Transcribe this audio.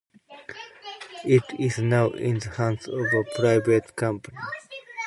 It is now in the hands of a private company.